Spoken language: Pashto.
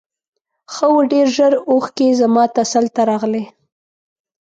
ښه و ډېر ژر اوښکې زما تسل ته راغلې.